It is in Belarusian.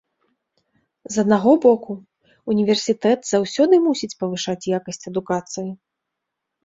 З аднаго боку, універсітэт заўсёды мусіць павышаць якасць адукацыі.